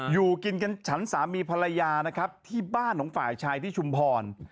อยู่กินกันฉันสามีภรรยานะครับที่บ้านของฝ่ายชายที่ชุมพร